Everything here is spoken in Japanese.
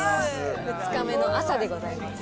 ２日目の朝でございます。